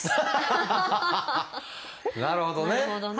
なるほどね！